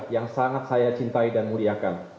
yang sangat saya cintai dan muliakan